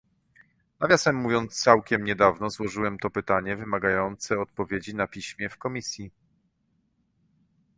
Nawiasem mówiąc, całkiem niedawno złożyłem to pytanie wymagające odpowiedzi na piśmie w Komisji